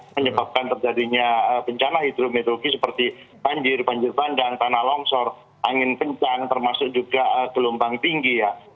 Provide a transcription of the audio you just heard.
menyebabkan terjadinya bencana hidrometeorologi seperti banjir banjir bandang tanah longsor angin kencang termasuk juga gelombang tinggi ya